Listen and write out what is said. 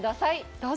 どうぞ。